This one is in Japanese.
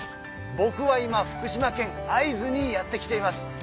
僕は今福島県会津にやって来ています。